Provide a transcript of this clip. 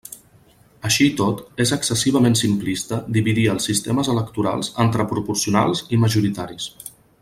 Així i tot, és excessivament simplista dividir els sistemes electorals entre proporcionals i majoritaris.